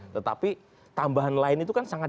tetapi tambahan lain itu kan sangat